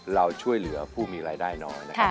เราช่วยเหลือผู้มีรายได้น้อยนะครับ